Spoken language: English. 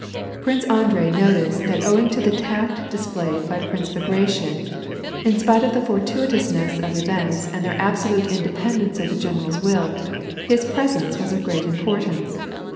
Prince Andrei noticed that owing to the tact dis played by Prince Bagration, in spite of the fortuitousness of events and their absolute independeuce of the general's will, his presence was of great importance.